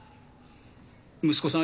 息子さん